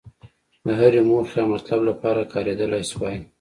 د هرې موخې او مطلب لپاره کارېدلای شوای.